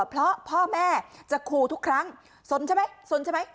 เพราะพ่อแม่จะขู่ทุกครั้งสนใช่ไหมสนใช่ไหม